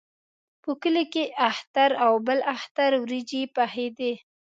په کلي کې اختر او بل اختر وریجې پخېدې.